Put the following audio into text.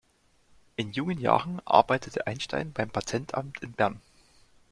In jungen Jahren arbeitete Einstein beim Patentamt in Bern.